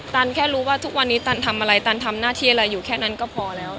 แค่รู้ว่าทุกวันนี้ตันทำอะไรตันทำหน้าที่อะไรอยู่แค่นั้นก็พอแล้ว